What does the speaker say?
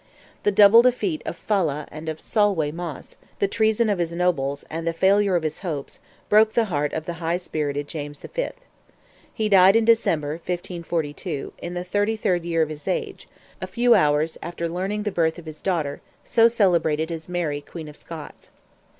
The double defeat of Fala and of Solway Moss, the treason of his nobles, and the failure of his hopes, broke the heart of the high spirited James V. He died in December, 1542, in the 33rd year of his age, a few hours after learning the birth of his daughter, so celebrated as Mary, Queen of Scots.